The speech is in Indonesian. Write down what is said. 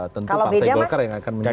tentu partai golkar yang akan menjadi